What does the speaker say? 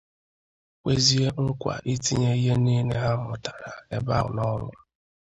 kwezie nkwà itinye ihe niile ha mụtara ebe ahụ n'ọrụ.